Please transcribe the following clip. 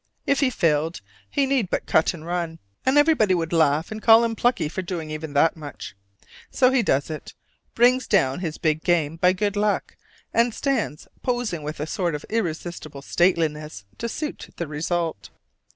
If he failed, he need but cut and run, and everybody would laugh and call him plucky for doing even that much. So he does it, brings down his big game by good luck, and stands posing with a sort of irresistible stateliness to suit the result.